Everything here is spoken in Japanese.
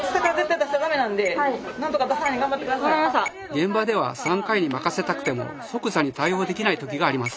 現場では産科医に任せたくても即座に対応できない時があります。